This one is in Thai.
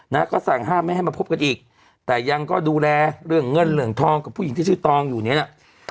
นะก็สั่งห้ามไม่ให้มาพบกันอีกแต่ยังก็ดูแลเรื่องเงินเหลืองทองกับผู้หญิงที่ชื่อตองอยู่เนี่ยนะ